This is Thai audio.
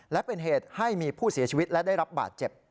และเป็นเหตุให้มีผู้เสียชีวิตและได้รับบาดเจ็บ